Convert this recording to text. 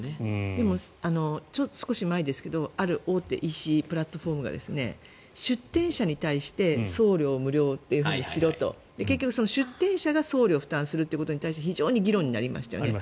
でも、少し前ですがある大手のＥＣプラットフォーマーが出店者に対して送料無料ってしろと。結局、出店者が送料を負担するということに関して非常に議論になりましたよね。